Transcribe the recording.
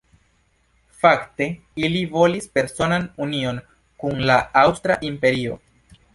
Fakte ili volis personan union kun la Aŭstra Imperio.